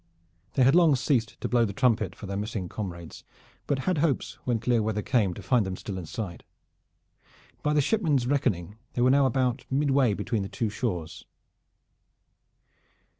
They had long ceased to blow the trumpet for their missing comrades, but had hopes when clear weather came to find them still in sight. By the shipman's reckoning they were now about midway between the two shores.